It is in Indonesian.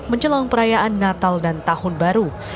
menjelang perayaan natal dan tahun baru